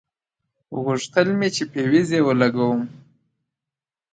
غوښتل مې چې فيوز يې ولګوم.